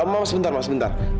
ma maaf sebentar ma sebentar